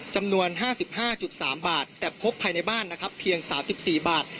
จำนวนห้าสิบห้าจุดสามบาทแต่พบภายในบ้านนะครับเพียงสามสิบสี่บาท